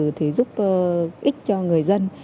giấy tờ thì giúp ích cho người dân